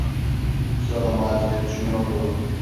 Bu sırada Macide düşünüyordu: